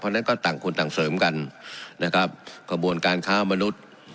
เพราะฉะนั้นก็ต่างคนต่างเสริมกันนะครับกระบวนการค้ามนุษย์